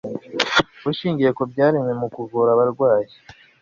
bushingiye ku byaremwe mu kuvura abarwayi